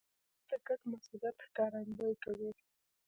• واده د ګډ مسؤلیت ښکارندویي کوي.